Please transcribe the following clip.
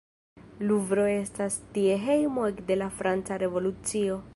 Luvro estas ties hejmo ekde la Franca Revolucio.